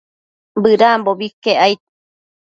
Bëdambobi iquec aid